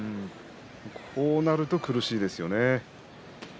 こうなると苦しいですよね。